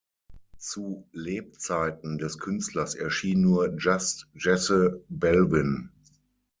Zu Lebzeiten des Künstlers erschien nur "Just Jesse Belvin".